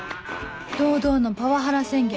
堂々のパワハラ宣言